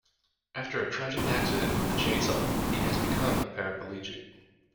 After a tragic accident with a chainsaw he has become a paraplegic.